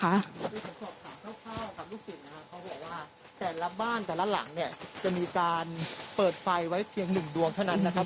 เขาบอกว่าแสนลับบ้านแต่ละหลังเนี่ยจะมีการเปิดไฟไว้เพียงหนึ่งดวงเท่านั้นนะคะ